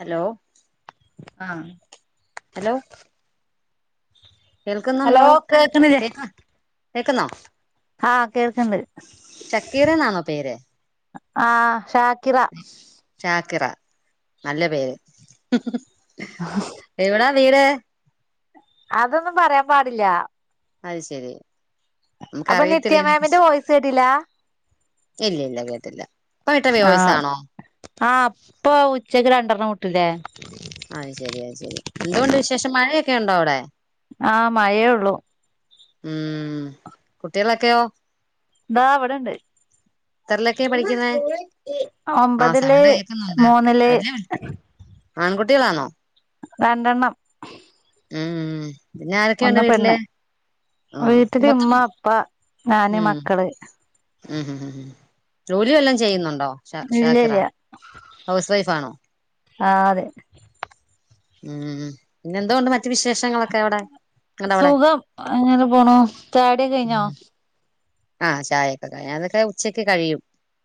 Hello ആഹ് hello hello കേൾക്കുന്നുണ്ടോ കേൾക്കണില്ലേ കേക്ക കേക്കുന്നോ ആഹ് കേൾക്കണ്ട് ഷക്കീര എന്നാണോ പേര് ആഹ് ഷാകിര ചാക്കിറ നല്ല പേര് [inaudible] എവിടാ വീട് അതൊന്നും പറയാൻ പാടില്ല അത് ശെരി അപ്പൊ നിത്യമാമിന്റെ വോയിസ് കേട്ടില്ല ഇല്ല ഇല്ല കേട്ടില്ല ഇപ്പൊ ഇട്ട ആഹ് വോയിസാണോ ആഹ് അപ്പൊ ഉച്ചക്ക് രണ്ടെണ്ണം ഇട്ടില്ലേ അത് ശെരിയത് ശെരി എന്തൊണ്ട് വിശേഷം മഴയൊക്കെ ഉണ്ടോ അവിടെ ആഹ് മഴയെ ഉള്ളൂ ഉം കുട്ടികളൊക്കെയോ ദാ അവിടെണ്ട് എത്രയിലൊക്കെയാ പഠിക്കുന്നേ ആ ഒമ്പതില് സൗണ്ട് കേൾക്കുന്നുണ്ട് മൂന്നില് വലിയ ആൺകുട്ടികളാണോ രണ്ടെണ്ണം ഉം പിന്നെ ആരൊക്കെയുണ്ട് ഒന്ന് വീട്ടില് പെണ്ണ് ആ വീട്ടില് മൊത്തം ഇമ്മ അപ്പ ഞാന് മക്കള് ഉം ഉം ജോലിവല്ലോം ചെയ്യുന്നുണ്ടോ ഇല്ല ഷാക്കിറ ഇല്ല ഹൗസ് വൈഫാണോ ആ അതെ ഉം പിന്നെ എന്തോണ്ട് മറ്റ മറ്റു വിശേഷങ്ങളൊക്കെ അവിടെ നിങ്ങൾ അവിടെ സുഖം അങ്ങനെ പോണു ചായകുടിയൊക്കെ കഴിഞ്ഞോ ആഹ് ചായയൊക്കെ കഴിഞ്ഞു അതൊക്കെ ഉച്ചക്ക് കഴിയും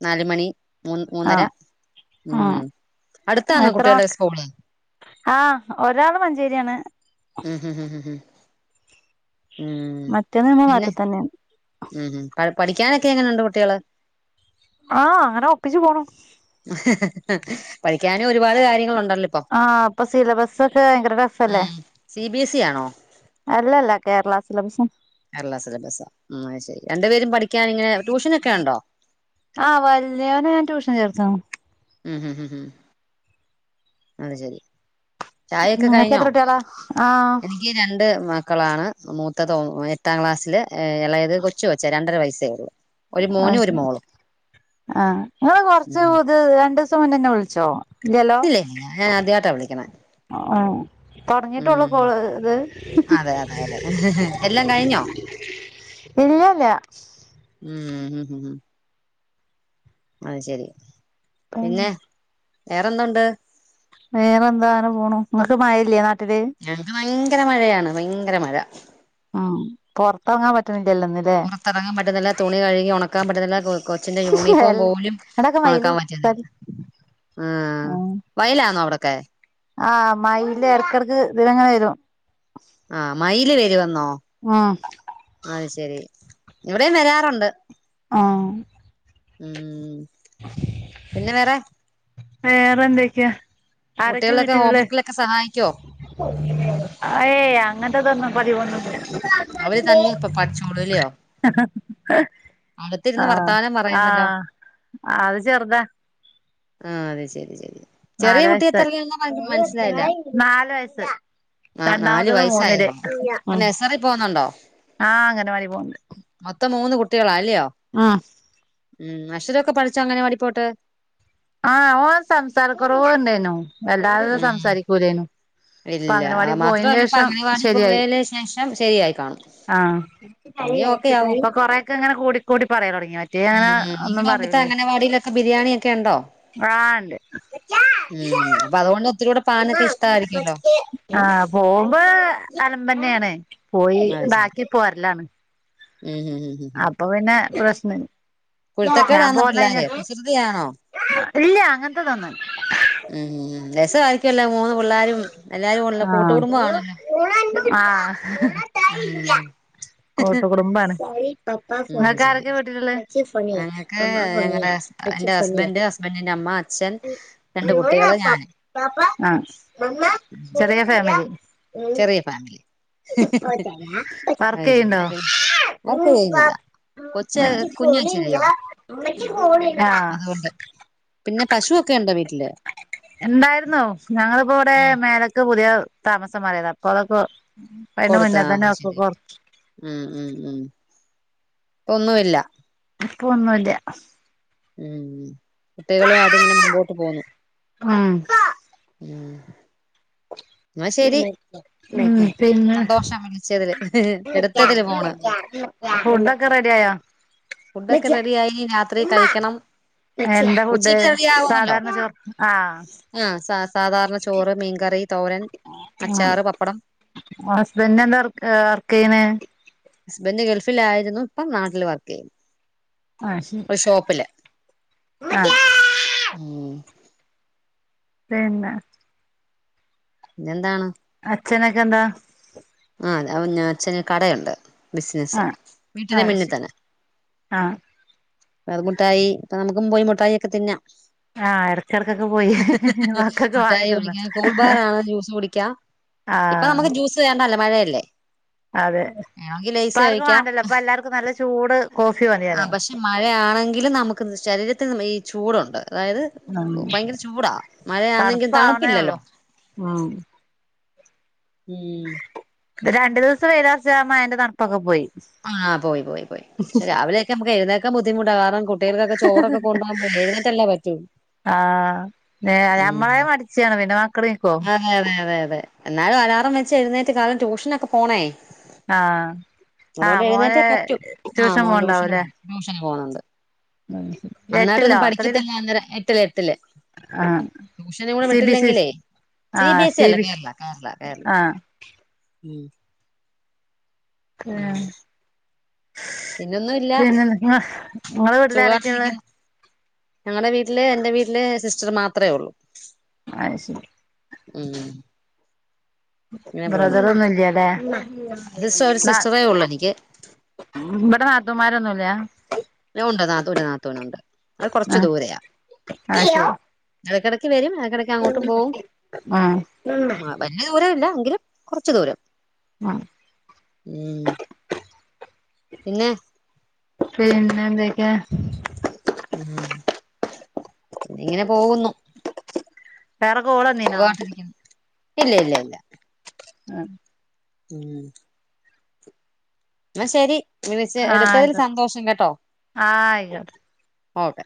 നാലുമണി മൂന്ന് മൂന്നര ആഹ് ഉം അടുത്താന്ന എത്ര കുട്ടികളുടെ മക്ക സ്കൂള് ആഹ് ഒരാള് മഞ്ചേരിയാണ് ഉം ഉം ഉ ഉംം മറ്റേന്ന് നമ്മ മാറ്റ തന്നെ ഉംം പഠിക്കാനൊക്കെ എങ്ങനെയുണ്ട് കുട്ടികള് ആഹ് അങ്ങനെ ഒപ്പിച്ചു പോണു പഠിക്കാനും ഒരുപാട് കാര്യങ്ങളുണ്ടല്ലോ ഇപ്പൊ ആഹ് ഇപ്പോ സിലബസ് ഒക്കെ ഭയങ്കര ടഫല്ലേ സി ബി എസ് ഇ ആണോ അല്ലല്ല കേരള സിലബസും കേരള സിലബസോ ഉം ശെരി രണ്ട് പേരും പഠിക്കാൻ ഇങ്ങനെ ട്യൂഷനൊക്കെ ഉണ്ടോ ആഹ് വല്യവന ഞാൻ ട്യഷൻ ചേർത്തു ഉം ഉം ഉം ഉം അത് ശരി ചായയൊക്കെ നിങ്ങൾക്ക് കഴിഞ്ഞോ എത്ര കുട്ട്യാള ആഹ് എനിക്ക് രണ്ട് മക്കളാണ് മൂത്തത് ഒ എട്ടാം ക്ലാസ്സില് എളേയത് കൊച്ചുകൊച്ചാ രണ്ടര വയസ്സേള്ളൂ. ആഹ് നിങ്ങള് കൊറച്ച് ഇത് രണ്ടു ദിവസം മുന്നന്നെ വിളിച്ചോ ഇല്ലില്ല ഞാൻ ആദ്യയിട്ടാ വിളിക്കണ ഓ തൊടങ്ങിട്ടൊള്ളു കോൾ ഇത് അതെ അതെ അതെ എല്ലാം കഴിഞ്ഞോ ഇല്ലല്ല ഉം ഉ അത് ശരി പിന്നെ വേറെന്തോണ്ട് വേറെ എന്താന പോണു നിങ്ങക്ക് മഴല്ലേ നാട്ടില് ഞങ്ങക്ക് ഭയങ്കര മഴയാണ് ഭയങ്കര മഴ ഉം പുറത്തങ്ങാൻ പറ്റണില്ലല്ലോ നി പുറത്തിറങ്ങാൻ പറ്റുന്നില്ല, തുണി കഴുകി ഉണക്കാൻ പറ്റുന്നില്ല, കൊച്ചിന്റെ യൂണിഫോം പോലും ഇവടൊക്കെ വെയ്ലു [unintelligible] ആഹ് വയലാന്നോ അവിടൊക്കെ? ആഹ് മയില് എടക്കെടക്ക് ഇതിലങ്ങനെ വരും ആഹ് മയില് വരുവെന്നോ? ഉം അത് ശെരി ഇവിടെയും വരാറുണ്ട്. ആഹ് ഉം പിന്നെ വേറെ? വേറെ എന്തൊക്കെയാ? കുട്ടികളെയൊക്കെ ഹോംവർക്കിലൊക്കെ സഹായിക്കോ? അഹ് ഏയ് അങ്ങൻത്തതൊന്നും പതിവൊന്നും ഇല്ല അവര് തന്നെ ഇപ്പൊ പഠിച്ചോളുല്ലയോ ആഹ് വർത്താനം പറയുന്നല്ലോ ആഹ് അത് ചെർതാ. ആഹ് അതെ ശെരി ശരി. ചെറിയ നാല് കുട്ടി വയസ്സായി എത്രെലാന്നാ പറഞ്ഞെ മനസ്സിലായില്ല? നാല് വയസ്സ് ആഹ് നാല് രണ്ടാമത്തത് മൂന്നില് വയസ്സായതെഒള്ളോ അപ്പൊ നഴ്സറി പോകുന്നൊണ്ടോ ആഹ് അംഗനവാടി മൊത്തം മൂന്ന് കുട്ടികളാ അല്ലയോ? ആഹ് ഉം അക്ഷരൊക്കെ പഠിച്ചോ അംഗനവാടീ പോയിട്ട്? ആഹ് ഓൻ സംസാരക്കുറവ് ഇണ്ടായ്നു വല്ലാതെ ഉം സംസാരിക്കൂലായ്നു ഇല്ല ആ മാത്രല്ല ഇപ്പൊ അംഗനവാടി ശരിയായി പോയേല് ശേഷം ശരിയായിക്കാണും. ആഹ് ഇപ്പൊ കൊറെയൊക്കെ ഇങ്ങനെ കൂടിക്കൂടി പറയല്തൊടങ്ങി മറ്റേത് - മറ്റേതങ്ങനെ ഒന്നും പറയൂലേനു ബിരിയാണിയൊക്കെ യുണ്ടോ? ആഹ് ഇണ്ട്. ഉം അപ്പൊ അതുകൊണ്ട് ഒത്തിരൂടെ പാനൊക്കെ ഇഷ്ടായിരിക്കുമല്ലോ ആഹ് പോവുമ്പോ അലമ്പേന്നെണ് പോയി അത് ശരി ണ്ടാക്കി പോരലാണ്. ഉം ഉം ഉം ഉം അപ്പൊ പിന്നെ പ്രശ്ന- കുരുത്തക്കേടാന്നോ പിള്ളോര് കുസൃതിയാണോ? ഇല്ലാ അങ്ങൻത്തതൊന്നുല്ലാ ഉം രസവായിരിക്കുവല്ലോ മൂന്ന് പിള്ളാരും എല്ലാരും ഉള്ള കൂട്ട്കുടുംബം ആണല്ലോ, ആഹ് ഉംഹ് കൂട്ട്കുടുംബാണ്. അത് ഇങ്ങക്ക് ശരി ആരൊക്കെ വ്ട്ടില് ഇള്ളെ? ഞങ്ങക്ക് ഞങ്ങടെ എന്റെ ഹസ്ബൻഡ് ഹസ്ബൻഡിന്റെ അമ്മ അച്ഛൻ രണ്ട് കുട്ടികള് ഞാന് ആഹ് ചെറിയ ഫാമിലി? ചെറിയ ഫാമിലി അത് വർക്ക് ശരി ചെയ്യണ്ടോ ഇപ്പൊ - വർക്ക് ഉം പ ചെയ്യുന്നില്ല. ഉം കൊച്ച് കുഞ്ഞ് കൊച്ചല്ലിയോ? ആഹ് അതുകൊണ്ട്. പിന്നെ പശുവൊക്കെ എണ്ടൊ വീട്ടില് എണ്ടായിരുന്നു ഞങ്ങളിപ്പോ ഇവിടെ ഉം മേലക്ക് പുതിയ താമസം മാറിയതാ അപ്പൊ അതൊക്കെ അതിന് കൊടുത്താ മുന്നേ തന്നെ അത് ഒക്കെ ശെരി കൊറച്ച് ഉം ഉം ഉം ഇപ്പൊ ഒന്നുവില്ല ഇപ്പൊ ഒന്നൂല്ല്യ ഉം കുട്ടികളുവായിട്ട് ഇങ്ങനെ മുമ്പോട്ട് പോവുന്നു ഉം ഉം എന്നാ ശരി ഉം പിന്നെ സന്തോഷം വിളിച്ചതില് എടുത്തതില് ഫോണ് ഫുഡ്‌ ഒക്കെ റെഡിയായോ ഫുഡൊക്കെ റെഡിയായി രാത്രീ കഴിക്കണം എന്താ ഫുഡ് ഉച്ചയ്ക്ക് റെഡിയാവുമല്ലോ സാധാരണ ചോറ് ആഹ് ആഹ് സ സാധാരണ ചോറ് മീൻകറി തോരൻ അച്ചാറ് പപ്പടം ഉം ഹസ്ബന്റ് എന്താ വർ ഏഹ് വർക്ക് ചെയ്യനെ ഹസ്ബന്റ് ഗൾഫിലായിരുന്നു ഇപ്പം നാട്ടില് വർക്ക് ചെയ്യുന്നു ആഹ് ശരി ഒരു ഷോപ്പില് ആഹ് ഉം പിന്നെ പിന്നെന്താണ് അച്ഛനെക്കെന്താ ആഹ് അവു ഞാ അച്ഛന് കടയുണ്ട് ബിസിനസ്സ് ആഹ് വീട്ടിന്റെ ആഹ് മുന്നിൽ ശരി ആഹ് അത് മുട്ടായി നമുക്കും പോയി മുട്ടായി ഒക്ക തിന്നാം. ആഹ് ഇടക്കിടക്കൊക്കെ പോയി മക്കക്ക്‌ വാങ്ങി മിഠായി തിന്നാം കുടിക്കാം കൂൾ ബാറാണ് ജ്യൂസ് കുടിക്കാം ഇപ്പൊ ആഹ് നമുക്ക് ജ്യൂസ് വേണ്ടാല്ലാ മഴയല്ലേ അതെ വേണമെങ്കിൽ ഇപ്പ ലേസ് ആർക്കും കഴിക്കാം വേണ്ടല്ലോ ഇപ്പ എല്ലാർക്കും നല്ല ചൂട് കോഫി ആ മതിയല്ലോ പക്ഷെ മഴയാണെങ്കിലും നമുക്ക് ഇത് ശരീരത്തിന് ഈ ചൂടുണ്ട് അതായത് ഉം ഭയങ്കര ചൂടാ മഴയാന്നെങ്കി തണുപ്പാവണേ ഉള്ളൂ തണുപ്പില്ലല്ലൊ ഉം രണ്ടു ദിവസം വെയ്ലൊറച്ച മയേന്റെ തണുപ്പൊക്കെ പോയി ആഹ് പോയി പോയി പോയി പക്ഷെ രാവിലേക്കെ നമുക്ക് എഴുന്നേൽക്കാ ബദ്ധിമുട്ടാ കാരണം കുട്ടികൾകൊക്കെ ചോറക്ക കൊണ്ട് പോകുമ്പഴെ എഴുന്നേറ്റല്ലെ പ റ്റു ആഹ് ന ഞമ്മളെ മടിച്ചിയാണ് പിന്നെ മക്കള് എണീക്കോ അതെ അതെ അതെ അതെ എന്നാലും അലാറം വെച്ച് എഴുന്നേറ്റ് കാരണം ട്യൂഷനക്കെ പോണേ ആഹ് ആഹ് അതുകൊണ്ട് മോന് എഴുന്നേറ്റേ പറ്റൂ ആഹ് ട്യൂഷൻ മോൻ ട്യൂഷന് പോണ്ടാവൂല്ലേ പോണ് ട്യൂഷന് പോവുന്നെണ്ട് ഉം അന്നായിട്ടിരുന്ന് എട്ടിലോ എത്രയിലാ പഠിക്കത്തില്ല അന്നേരം എട്ടില് എട്ടില് ആഹ് ട്യുഷനും കൂടി സി ബി സി വിട്ടില്ലെങ്കിലേ സി ബി എസ് ഇ അല്ല കേരള കേരള കേരള ആഹ് ഉം ഉം ഏഹ് പിന്നൊന്നും ഇല്ല പിന്നെ നിങ്ങളെ നിങ്ങളെ വീട്ടിലാരക്കയാള്ളെ സുഖായിട്ടിരിക്കുന്നു ഞങ്ങടെ വീട്ടില് എന്റ് വീട്ടില് സിസ്റ്റർ മാത്രേ ഒള്ളു അത് ശരി ഉം ഇങ്ങനെ പോന്നു ബ്രദറൊന്നും ഇല്യാല്ലേ സിസ്റ്റർ ഒരു സിസ്റ്ററേ ഉള്ളൂ [unintelligible] എനിക്ക് ഇവിടെ നാത്തുന്മാരൊന്നുംല്യാ ഒണ്ട് നാത്തൂന് നാത്തൂനൊണ്ട് അത് കൊറച്ചു ആ ദൂരയാ ആ ശരി എടക്കിടക്ക് വരും എടക്കിടക്ക് അങ്ങോട്ടും പോകും ഉം മാ വല്യ ദൂരം ഇല്ല എങ്കിലും കുറച്ച് ദൂരം ഉം ഉം പിന്നെ പിന്നെന്തൊക്കെയാ ഉം പിന്നെ ഇങ്ങനെ പോകുന്നു വേറെ കോള് വന്നീനോ സഖായിട്ടിരിക്കുന്നു ഇല്ല ഇല്ല ഇല്ല ആഹ് ഉം എന്ന ശെരി വിളച്ച് ആ എടുത്തതിൽ ആയിക്കോട്ടെ സന്തോഷം കേട്ടോ ആ ആയിക്കോട്ടെ ഓക്കെ